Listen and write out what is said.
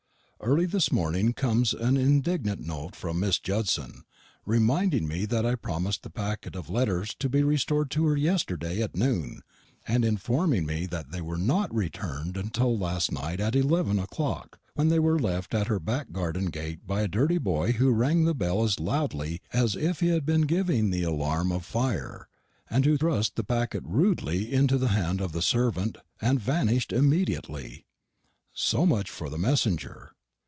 Early this morning comes an indignant note from Miss Judson, reminding me that I promised the packet of letters should be restored to her yesterday at noon, and informing me that they were not returned until last night at eleven o'clock, when they were left at her back garden gate by a dirty boy who rang the bell as loudly as if he had been giving the alarm of fire, and who thrust the packet rudely into the hand of the servant and vanished immediately. So much for the messenger.